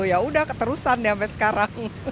ya udah keterusan sampai sekarang